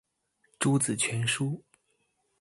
朱子全書